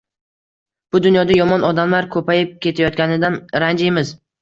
Bu dunyoda yomon odamlar ko’payib ketayotganidan ranjiymiz.